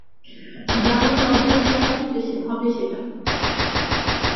দারুণ লজ্জার ব্যাপার হবে সেটা।